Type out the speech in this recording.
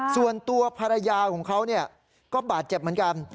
ส่วนตัวภรรยาของเขาก็บาดเจ็บเหมือนกัน